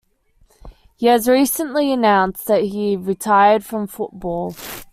He has recently announced that he retired from football.